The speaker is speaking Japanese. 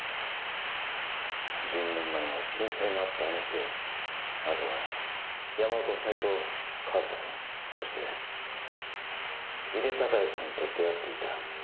１２年前の震災のあったあの地であなたは山岡夫妻と和沙さんそして井手孝也さんと出会っていた。